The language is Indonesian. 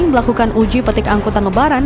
melakukan uji petik angkutan lebaran